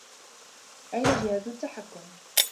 أين جهاز التحكّم؟